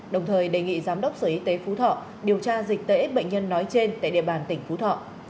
đồng thời đề nghị giám đốc sở y tế phú thọ điều tra dịch tễ bệnh nhân nói trên tại địa bàn tỉnh phú thọ